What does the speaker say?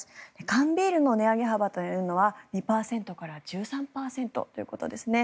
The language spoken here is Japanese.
缶ビールの値上げ幅というのは２％から１３％ということですね。